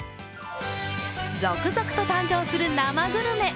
続々と誕生する生グルメ。